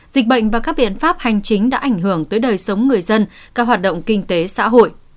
dịch bệnh và các biện pháp hành chính đã ảnh hưởng tới đời sống người dân các hoạt động kinh tế xã hội